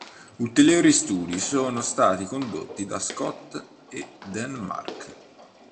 Ulteriori studi sono stati condotti da Scott E. Denmark.